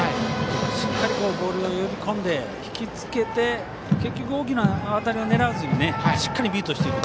しっかりボールを呼び込んで引きつけて結局、大きな当たりを狙わずしっかりミートする。